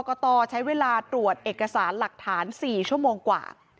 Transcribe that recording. กตใช้เวลาตรวจเอกสารหลักฐาน๔ชั่วโมงกว่า